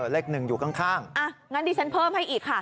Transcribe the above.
เลขหนึ่งอยู่ข้างงั้นดิฉันเพิ่มให้อีกค่ะ